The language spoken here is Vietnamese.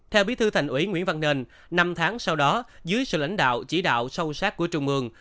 theo bí thư thành ủy nguyễn văn nền năm tháng sau đó dưới sự lãnh đạo chỉ đạo sâu sát của trung ương